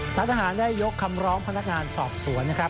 สารทหารได้ยกคำร้องพนักงานสอบสวนนะครับ